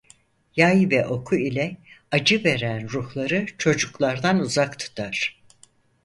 Yay ve oku ile acı veren ruhları çocuklardan uzak tutar.